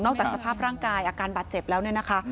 จากสภาพร่างกายอาการบาดเจ็บแล้วเนี่ยนะคะ